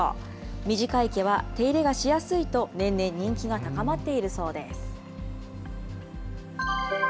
短い毛は手入れがしやすいと、年々人気が高まっているそうです。